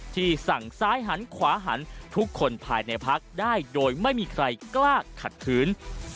สั่งซ้ายหันขวาหันทุกคนภายในพักได้โดยไม่มีใครกล้าขัดขืน